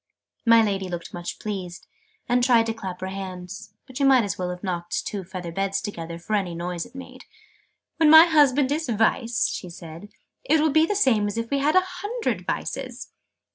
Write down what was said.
My Lady looked much pleased, and tried to clap her hands: but you might as well have knocked two feather beds together, for any noise it made. "When my husband is Vice," she said, "it will be the same as if we had a hundred Vices!"